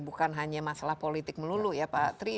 bukan hanya masalah politik melulu ya pak tri